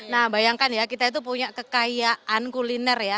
nah bayangkan ya kita itu punya kekayaan kuliner ya